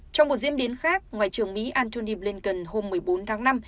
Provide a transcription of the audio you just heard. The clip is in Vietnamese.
trong một diễn biến khác ngoại trưởng mỹ antony blinken hôm một mươi bốn tháng năm